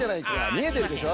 みえてるでしょ。